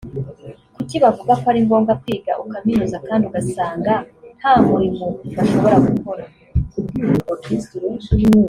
Kuki bavuga ko ari ngombwa kwiga ukaminuza kandi ugasanga nta murimo bashobora gukora